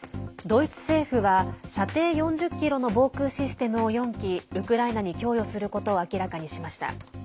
ドイツ政府は、射程４０ｋｍの防空システムを４基ウクライナに供与することを明らかにしました。